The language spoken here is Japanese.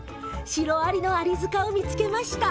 シロアリのアリ塚を見つけました。